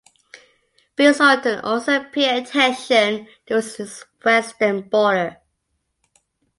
Bisutun also paid attention to his western border.